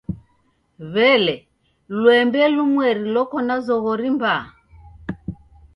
W'ele, lwembe lumweri loko na zoghori mbaa?